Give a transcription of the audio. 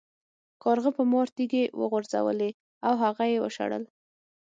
کارغه په مار تیږې وغورځولې او هغه یې وشړل.